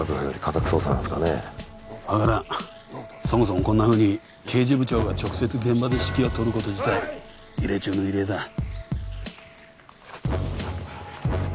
そもそもこんなふうに刑事部長が直接現場で指揮を執ること自体異例中の異例だ。